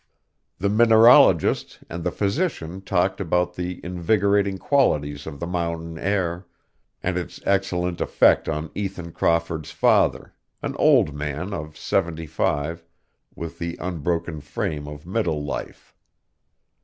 The mineralogist and the physician talked about the invigorating qualities of the mountain air, and its excellent effect on Ethan Crawford's father, an old man of seventy five, with the unbroken frame of middle life.